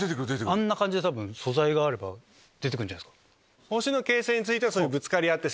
あんな感じで多分素材があれば出てくるんじゃないですか。